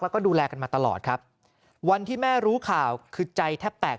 แล้วก็ดูแลกันมาตลอดครับวันที่แม่รู้ข่าวคือใจแทบแตก